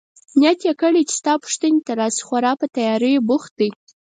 نیت يې کړی چي ستا پوښتنې ته راشي، خورا په تیاریو بوخت دی.